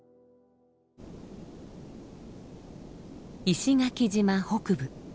石垣島北部。